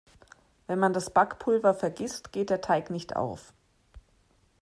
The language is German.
Wenn man das Backpulver vergisst, geht der Teig nicht auf.